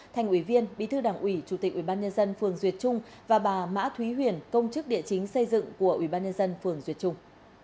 thành ủy viên bí thư đảng ủy chủ tịch ubnd phường duyệt trung và bà mã thúy huyền công chức địa chính xây dựng của ubnd phường duyệt trung